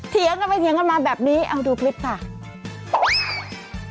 เถียงกันไปเถียงกันมาแบบนี้เอาดูคลิปค่ะ